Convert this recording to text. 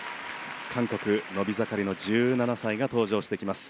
韓国、伸び盛りの１７歳が登場してきます。